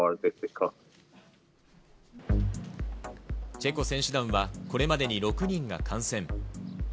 チェコ選手団は、これまでに６人が感染。